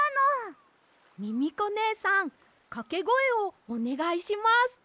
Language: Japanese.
ミミコねえさんかけごえをおねがいします。